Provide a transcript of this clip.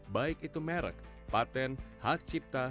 baik itu merek patent hak cipta